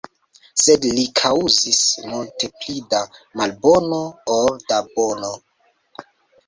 Sed li kaŭzis multe pli da malbono ol da bono.